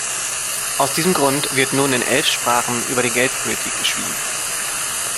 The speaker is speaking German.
Aus diesem Grund wird nun in elf Sprachen über die Geldpolitik geschwiegen.